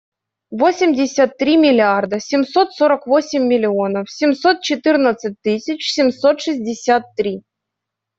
Восемьдесят три миллиарда семьсот сорок восемь миллионов семьсот четырнадцать тысяч семьсот шестьдесят три.